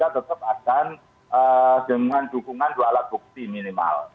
saya yakin kpk tetap akan dengan dukungan dua alat bukti minimal